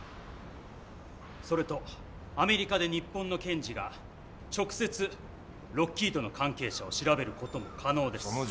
それとアメリカで日本の検事が直接ロッキードの関係者を調べる事も可能です。